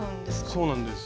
そうなんです。